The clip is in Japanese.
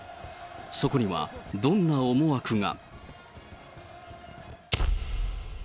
そこには、どんな思惑が。